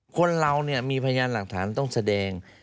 คนเราเนี่ยมีพยานหลักฐานต้องแสดง